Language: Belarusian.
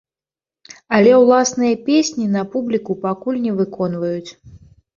Але ўласныя песні на публіку пакуль не выконваюць.